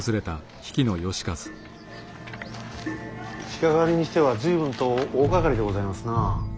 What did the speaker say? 鹿狩りにしては随分と大がかりでございますな。